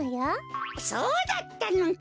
そうだったのか！